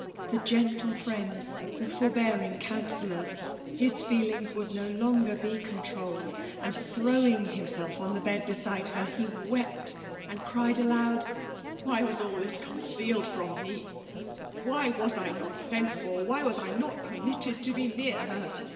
the gentle friend^ — »the forbearing counsolkr,* — his feelings would no longer be contrclled* and throwing himself on the bed beside. ber, he irept^ and cried aloud* ^' Whj was aUthis ccnicealed from me ; why was I not sent for; why was I not permitted to be near her